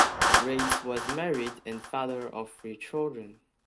Reitz was married and father of three children.